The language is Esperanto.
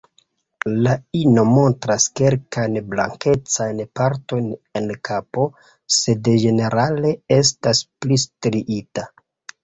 La ino montras kelkajn blankecajn partojn en kapo, sed ĝenerale estas pli striita.